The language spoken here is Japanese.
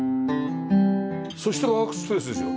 そしてワークスペースですよ。